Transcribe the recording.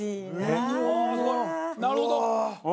なるほど！